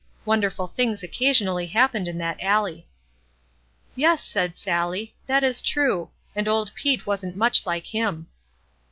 Wonderful things occasionally happened in that alley. "Yes," said Sally, "that is true; and old Pete wasn't much like him."